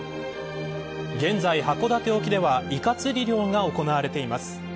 現在、函館沖ではイカ釣り漁が行われています。